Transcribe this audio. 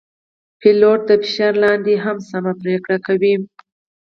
پیلوټ د فشار لاندې هم سمه پرېکړه کوي.